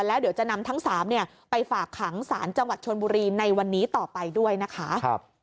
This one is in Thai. แล้วเดี๋ยวจะนำทั้ง๓ไปฝากขังสารจังหวัดชนบุรีในวันนี้ต่อไปด้วยนะคะ